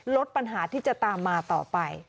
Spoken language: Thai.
ลดปัญหาที่จะตามมาต่อไป